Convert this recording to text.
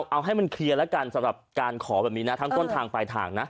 เอาให้มันเคลียร์แล้วกันสำหรับการขอแบบนี้นะทั้งต้นทางปลายทางนะ